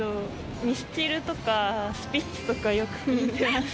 ミスチルとかスピッツとか、よく聴いてます。